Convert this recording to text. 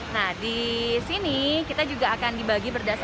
nah di sini kita juga akan dibagi berdasarkan